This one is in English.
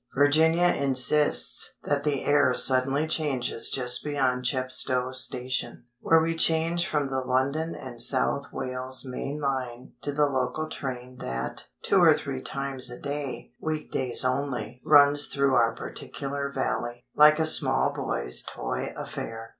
Virginia insists that the air suddenly changes just beyond Chepstow Station, where we change from the London and South Wales main line to the local train that, two or three times a day (week days only), runs through our particular Valley, like a small boy's toy affair.